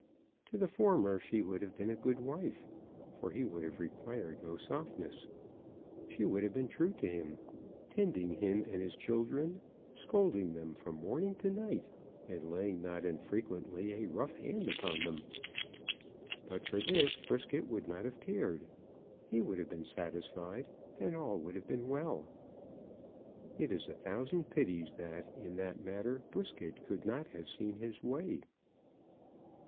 To the former she would have been a good wife, for he would have required no softness. She would have been true to him, tending him and his children; scolding them from morning to night, and laying not unfrequently a rough hand upon them. But for this Brisket would not have cared. He would have been satisfied, and all would have been well. It is a thousand pities that, in that matter, Brisket could not have seen his way.